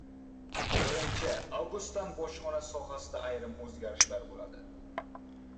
Birinchi avgustdan bojxona sohasida ayrim o‘zgarishlar bo‘ladi